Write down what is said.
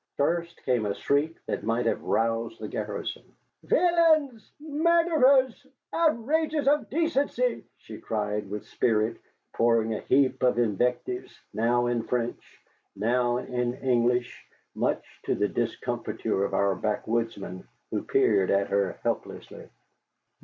First came a shriek that might have roused the garrison. "Villains! Murderers! Outragers of decency!" she cried with spirit, pouring a heap of invectives, now in French, now in English, much to the discomfiture of our backwoodsmen, who peered at her helplessly.